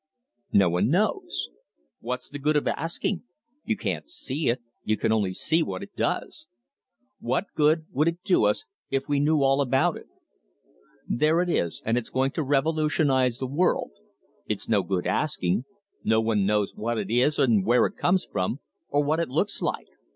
No one knows. What's the good of asking? You can't see it: you can only see what it does. What good would it do us if we knew all about it? There it is, and it's going to revolutionise the world. It's no good asking no one knows what it is and where it comes from, or what it looks like.